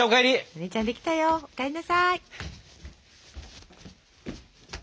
姉ちゃんできたよ！お帰りなさい。